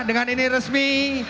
dengan ini resmi